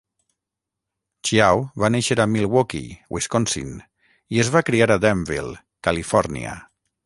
Chiao va néixer a Milwaukee, Wisconsin i es va criar a Danville, Califòrnia.